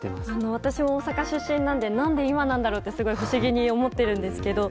私も大阪出身なので何で今なんだろうとすごく不思議に思っているんですけど。